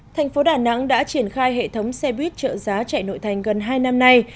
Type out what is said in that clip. thành phố đà nẵng đã triển khai hệ thống xe buýt trợ giá chạy nội thành gần hai năm nay